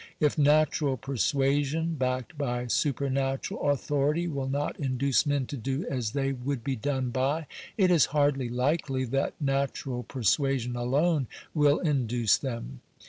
If natural persuasion, backed by super natural authority, will not induce men to do as they would be done by, it is hardly likely that natural persuasion alone will induce them.